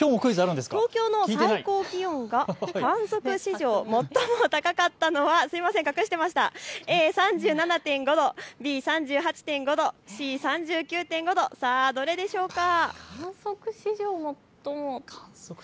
東京の最高気温が観測史上最も高かったのはＡ３７．５度、Ｂ３８．５度Ｃ３９．５度、さてどれでしょうか。